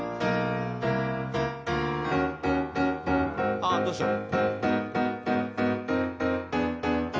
ああどうしよう。